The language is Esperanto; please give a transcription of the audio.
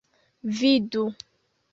vidu